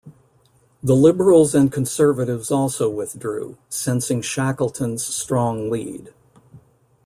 The Liberals and Conservatives also withdrew, sensing Shackleton's strong lead.